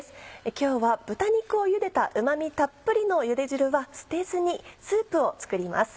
今日は豚肉をゆでたうま味たっぷりのゆで汁は捨てずにスープを作ります。